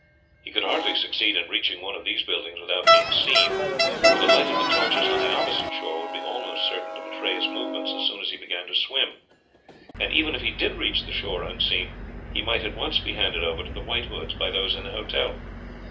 He could hardly succeed in reaching one of these buildings without being seen, for the light of the torches on the opposite shore would be almost certain to betray his movements as soon as he began to swim, and even if he did reach the shore unseen he might at once be handed over to the White Hoods by those in the hotel.